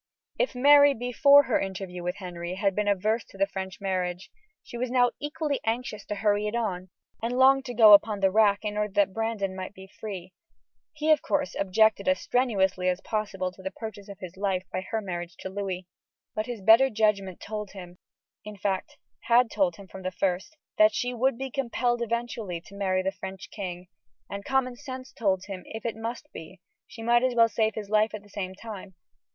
If Mary, before her interview with Henry, had been averse to the French marriage, she was now equally anxious to hurry it on, and longed to go upon the rack in order that Brandon might be free. He, of course, objected as strenuously as possible to the purchase of his life by her marriage to Louis, but his better judgment told him in fact, had told him from the first that she would be compelled eventually to marry the French king, and common sense told him if it must be, she might as well save his life at the same time.